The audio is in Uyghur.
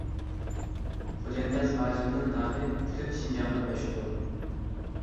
خوجا نىياز ھاجىمنىڭ نامى پۈتۈن شىنجاڭغا مەشھۇر.